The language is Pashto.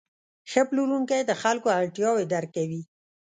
ښه پلورونکی د خلکو اړتیاوې درک کوي.